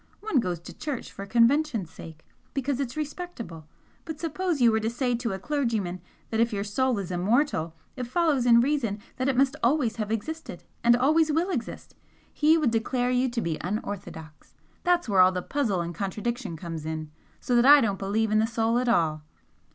One goes to church for convention's sake because it's respectable; but suppose you were to say to a clergyman that if your soul is 'immortal' it follows in reason that it must always have existed and always will exist, he would declare you to be 'unorthodox.' That's where all the puzzle and contradiction comes in so that I don't believe in the soul at all."